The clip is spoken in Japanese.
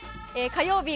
火曜日